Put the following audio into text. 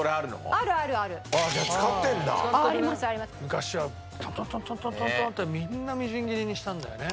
昔はトントントントントントントンってみんなみじん切りにしたんだよね。